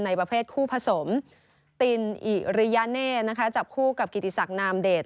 ประเภทคู่ผสมตินอิริยเน่นะคะจับคู่กับกิติศักดินามเดช